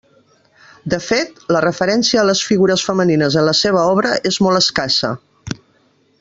De fet, la referència a les figures femenines en la seva obra és molt escassa.